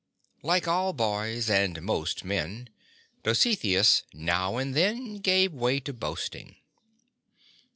Like all boys, and most men, Dositheus now and then gave way to boasting.